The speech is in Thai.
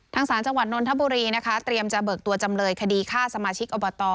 สารจังหวัดนนทบุรีนะคะเตรียมจะเบิกตัวจำเลยคดีฆ่าสมาชิกอบต